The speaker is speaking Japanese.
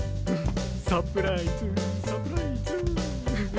サプライズサプライズ。